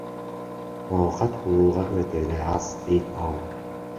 Оокат кылууга өтө эле аз, дейт ал.